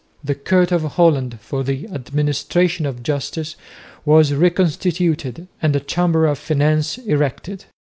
The Court of Holland for the administration of justice was reconstituted and a Chamber of Finance erected.